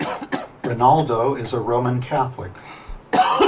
Ronaldo is a Roman Catholic.